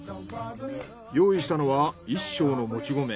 用意したのは一升のもち米。